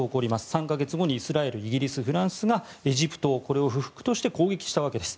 ３か月後にイスラエル、イギリスフランスが不服としてエジプトを攻撃したわけです。